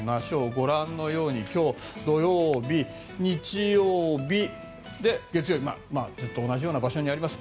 ご覧のように今日土曜日、日曜日で、月曜日ずっと同じような場所にあります。